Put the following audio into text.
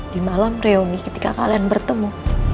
di malam reuni ketika kalian bertemu